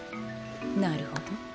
なるほど。